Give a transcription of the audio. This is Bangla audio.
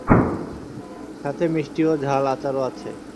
সাথে মিষ্টি ও ঝাল আচারও আছে।